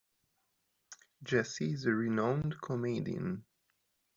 Jessie is a renowned comedian.